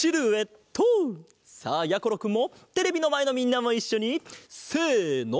さあやころくんもテレビのまえのみんなもいっしょにせの！